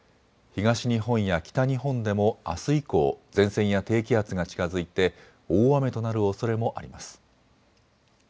東日本や北日本でもあす以降、前線や低気圧が近づいて大雨となるおそれもあります。